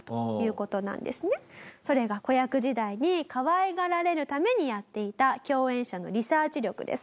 それが子役時代にかわいがられるためにやっていた共演者のリサーチ力です。